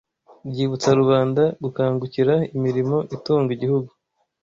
ryibutsa rubanda gukangukira imirimo itunga igihugu